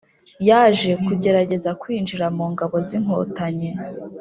yaje kugerageza kwinjira mu ngabo z’inkotanyi